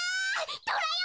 トラよ！